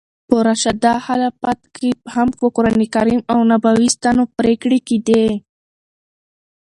په راشده خلافت کښي هم پر قرانکریم او نبوي سنتو پرېکړي کېدې.